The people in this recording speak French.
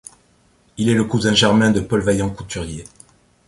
Il est le cousin germain de Paul Vaillant-Couturier.